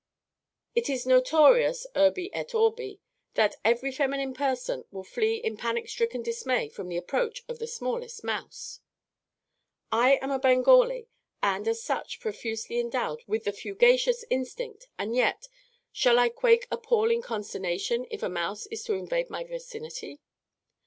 It is notorious, urbi et orbi, that every feminine person will flee in panicstricken dismay from the approach of the smallest mouse. "I am a Bengali, and, as such, profusely endowed with the fugacious instinct, and yet, shall I quake in appalling consternation if a mouse is to invade my vicinity?